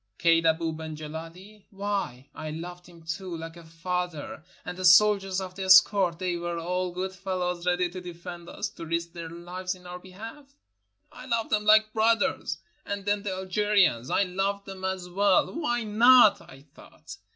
Kaid Abou ben Gileli? Why, I loved him too, Kke a father. And the soldiers of the escort ! They were all good fellows, ready to defend us, to risk their lives in our behalf. I loved them like brothers. And then the Algerians! I loved them as well. "Why not?" I thought.